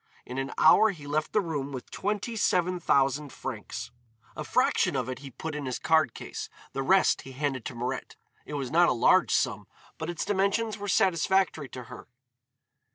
In an hour he left the room with twenty seven thousand francs. A fraction of it he put in his card case, the rest he handed to Mirette. It was not a large sum, but its dimensions were satisfactory to her.